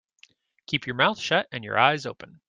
Keep your mouth shut and your eyes open.